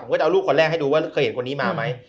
ก็จะเอาลูกคนแรกให้ดูว่าเคยเห็นคนนี้มาไหม